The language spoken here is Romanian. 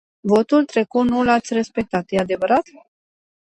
Votul trecut nu l-ați respectat, e adevărat?